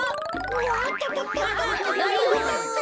おっとっとっと。